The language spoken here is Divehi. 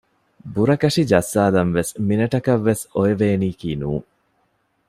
ބުރަކަށި ޖައްސާލަންވެސް މިނެޓަކަށް ވެސް އޮވެވެނީކީ ނޫން